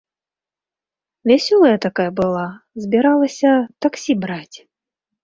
Вясёлая такая была, збіралася таксі браць.